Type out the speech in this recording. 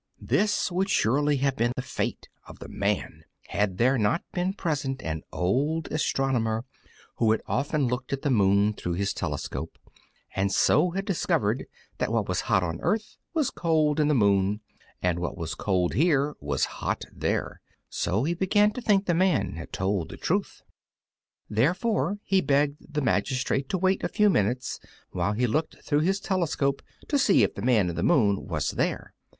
This would surely have been the fate of the Man had there not been present an old astronomer who had often looked at the moon through his telescope, and so had discovered that what was hot on earth was cold in the moon, and what was cold here was hot there; so he began to think the Man had told the truth. Therefore he begged the magistrate to wait a few minutes while he looked through his telescope to see if the Man in the Moon was there.